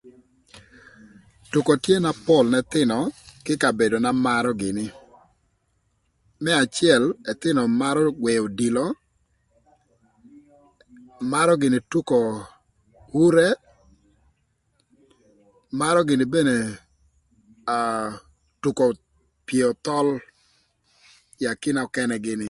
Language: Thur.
Tuko tye na pol n'ëthïnö kï ï kabedona marö gïnï. Më acël ëthïnö marö gwëö odilo, marö gïnï tuko ure, marö gïnï mene aa tuko pyeo thöl ï akina ökënë gïnï.